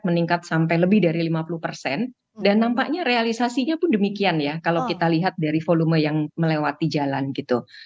meningkat sampai lebih dari lima puluh persen dan nampaknya realisasinya pun demikian ya kalau kita lihat dari volume yang melewati jalan gitu